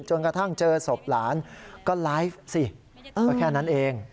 กระทั่งเจอศพหลานก็ไลฟ์สิก็แค่นั้นเอง